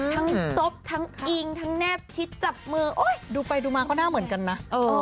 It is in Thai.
ซบทั้งอิงทั้งแนบชิดจับมือดูไปดูมาก็น่าเหมือนกันนะ